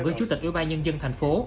với chủ tịch ủy ban nhân dân thành phố